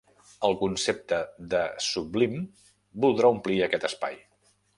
El concepte de sublim voldrà omplir aquest espai.